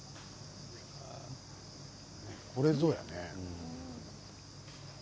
これぞやね。